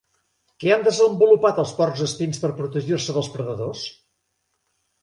Què han desenvolupat els porcs espins per protegir-se dels predadors?